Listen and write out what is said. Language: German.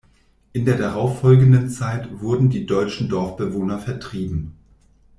In der darauf folgenden Zeit wurden die deutschen Dorfbewohner vertrieben.